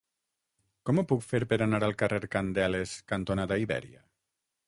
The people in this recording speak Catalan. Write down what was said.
Com ho puc fer per anar al carrer Candeles cantonada Ibèria?